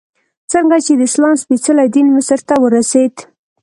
څرنګه چې د اسلام سپېڅلی دین مصر ته ورسېد.